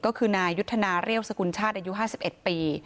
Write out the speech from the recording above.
ก็คือนายุทธนาเรียวสกุลชาติอายุห้าสิบเอ็ดปี